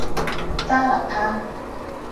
揸流灘